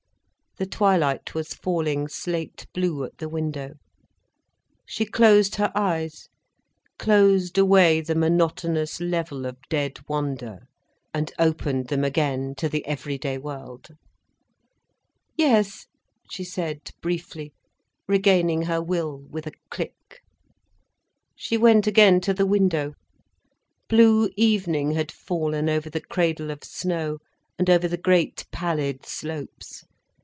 The twilight was falling slate blue at the window. She closed her eyes, closed away the monotonous level of dead wonder, and opened them again to the every day world. "Yes," she said briefly, regaining her will with a click. She went again to the window. Blue evening had fallen over the cradle of snow and over the great pallid slopes.